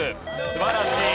素晴らしい。